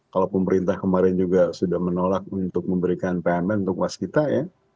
kalau pemerintah kemarin juga sudah menolak untuk memberikan payment untuk waskita ya